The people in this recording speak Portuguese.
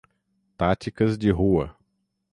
Táticas de Rua